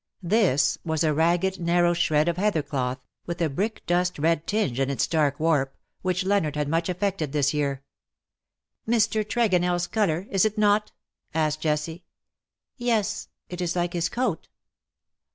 *^This" was a ragged narrow shred of heather cloth, with a brick dust red tinge in its dark warp, which Leonard had much affected this year —" Mr. TregonelFs colour, is it not ?" asked Jessie. •' Yes — it is like his coat.''